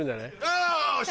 よし！